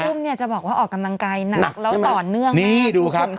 แต่พี่อุ้มเนี่ยจะบอกว่าออกกำลังกายหนักแล้วต่อเนื่องนี่ดูครับ